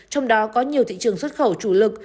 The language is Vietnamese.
trong đó có nhiều thị trường xuất khẩu chủ lực